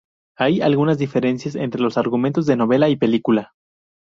Hay algunas diferencias entre los argumentos de novela y película.